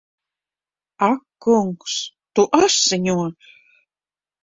Ak kungs! Tu asiņo!